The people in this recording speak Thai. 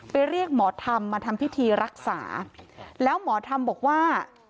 เรียกหมอธรรมมาทำพิธีรักษาแล้วหมอธรรมบอกว่า